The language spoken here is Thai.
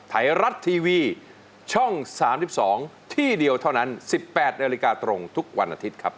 ไทยรัฐทีวีช่อง๓๒ที่เดียวเท่านั้น๑๘นาฬิกาตรงทุกวันอาทิตย์ครับ